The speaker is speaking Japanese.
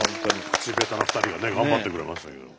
口下手な２人がね頑張ってくれましたけれども。